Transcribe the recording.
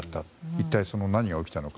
一体何が起きたのか。